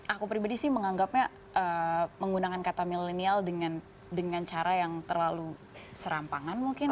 aku pribadi sih menganggapnya menggunakan kata milenial dengan cara yang terlalu serampangan mungkin